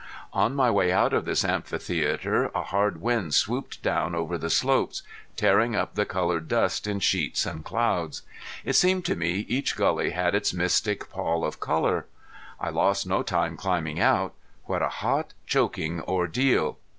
On my way out of this amphitheater a hard wind swooped down over the slopes, tearing up the colored dust in sheets and clouds. It seemed to me each gully had its mystic pall of color. I lost no time climbing out. What a hot choking ordeal!